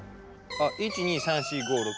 あっ１２３４５６。